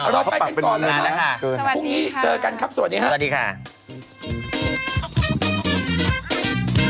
เราไปกันก่อนเลยครับพรุ่งนี้เจอกันครับสวัสดีครับสวัสดีค่ะ